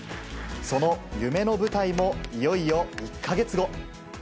その夢の舞台もいよいよ１か月後。